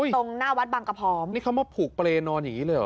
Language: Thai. ตรงหน้าวัดบังกภอมนี่เขามาผูกเผลนอนอย่างนี้เลยเหรอโอ้ย